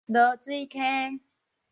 濁水溪